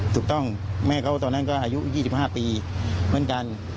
ถูกต้องแม่เค้าตอนนั้นก็อายุ๒๕ปีเหมือนกัน